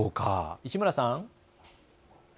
市村さん。